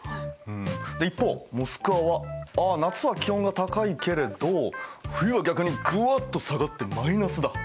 で一方モスクワはああ夏は気温が高いけれど冬は逆にぐわっと下がってマイナスだ。